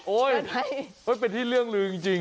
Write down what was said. โอ้ยเป็นที่เลื่องลือจริง